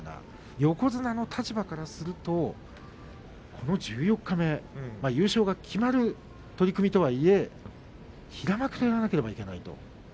横綱からするとこの十四日目優勝が決まる取組とはいえ平幕とやらなければいけない。